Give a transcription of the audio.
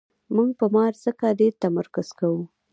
موږ په مار ځکه ډېر تمرکز کوو.